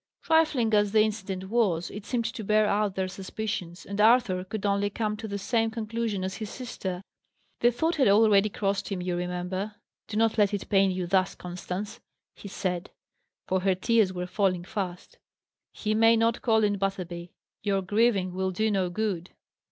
Trifling as the incident was, it seemed to bear out their suspicions, and Arthur could only come to the same conclusion as his sister: the thought had already crossed him, you remember. "Do not let it pain you thus, Constance," he said, for her tears were falling fast. "He may not call in Butterby. Your grieving will do no good."